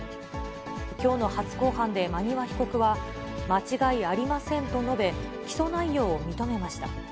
きょうの初公判で馬庭被告は、間違いありませんと述べ、起訴内容を認めました。